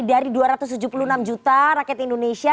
dari dua ratus tujuh puluh enam juta rakyat indonesia